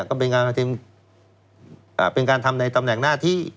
ก็เป็นการทำในตำแหน่งหน้าที่